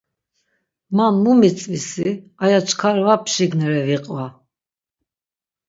Man mu mitzvi si, aya çkar va pşignere viqva.